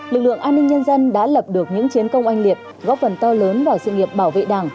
lực lượng an ninh nhân dân đã lập được những chiến công anh liệt góp phần to lớn vào sự nghiệp bảo vệ đảng